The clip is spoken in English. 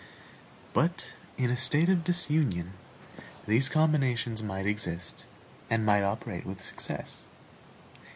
But in a state of disunion, these combinations might exist and might operate with success.